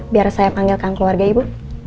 biar saya panggilkan keluarga ibu